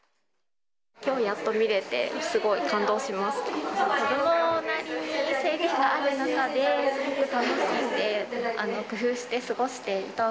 きょうやっと見れて、すごい感動しました。